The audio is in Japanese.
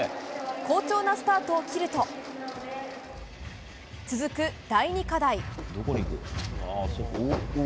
好調なスタートを切ると続く第２課題。